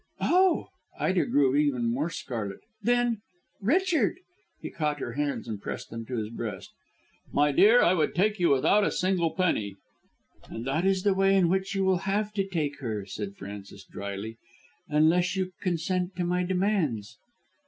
"Oh!" Ida grew even more scarlet "then, Richard " He caught her hands and pressed them to his breast. "My dear, I would take you without a single penny." "And that is the way in which you will have to take her," said Frances drily, "unless you consent to my demands."